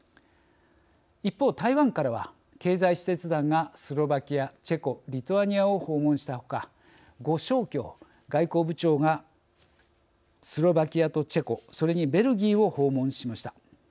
一方、台湾からは経済使節団がスロバキア、チェコリトアニアを訪問したほか呉ショウキョウ外交部長がスロバキアとチェコそれにベルギーを訪問しました。